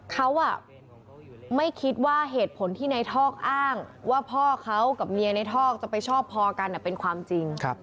เขาไม่คิดว่าเหตุผลที่ในทอกอ้างว่าพ่อเขากับเมียในทอกจะไปชอบพอกันเป็นความจริง